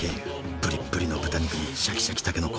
ぶりっぶりの豚肉にシャキシャキたけのこ。